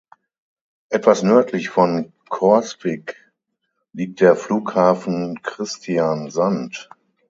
Etwas nördlich von Korsvik liegt der Flughafen Kristiansand.